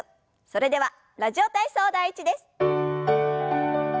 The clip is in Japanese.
それでは「ラジオ体操第１」です。